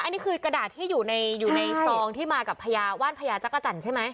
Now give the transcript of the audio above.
อันนี้คือกระดาษที่อยู่ในซองที่มากับพญาว่านพญาจักรจันทร์ใช่ไหม